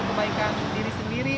untuk kebaikan diri sendiri